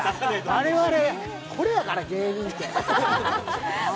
我々、これやから芸人て。